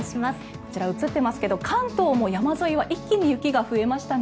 こちら映ってますけど関東も山沿いは一気に雪が増えましたね。